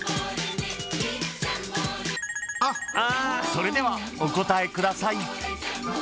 ［それではお答えください］